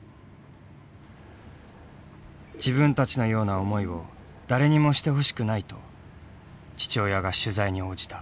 自分たちのような思いを誰にもしてほしくないと父親が取材に応じた。